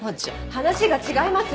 話が違います！